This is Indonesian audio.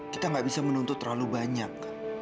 kita nggak bisa menuntut terlalu banyak